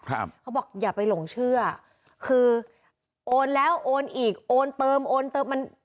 เขาบอกอย่าไปหลงเชื่อคือโอนแล้วโอนอีกโอนเติมโอนเติมมัน